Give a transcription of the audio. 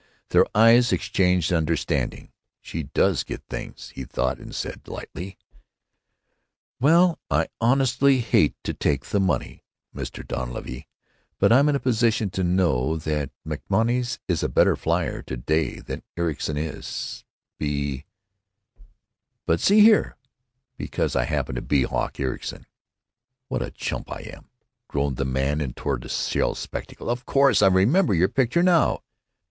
Their eyes exchanged understanding. "She does get things," he thought, and said, lightly: "Well, I honestly hate to take the money, Mr. Dunleavy, but I'm in a position to know that MacMonnies is a better flier to day than Ericson is, be——" "But see here——" "——because I happen to be Hawk Ericson." "What a chump I am!" groaned the man in tortoise shell spectacles. "Of course! I remember your picture, now."